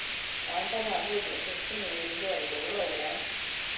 玩家的目的是经营一个游乐园。